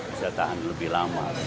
bisa tahan lebih lama